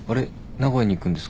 名古屋に行くんですか？